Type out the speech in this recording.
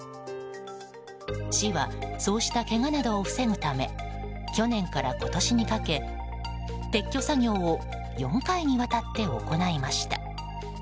市はそうしたけがなどを防ぐため去年から今年にかけ、撤去作業を４回にわたって行いました。